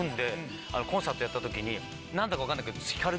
コンサートやった時に何だか分かんないけど。